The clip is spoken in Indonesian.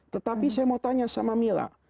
tetapi saya mau tanya sama mila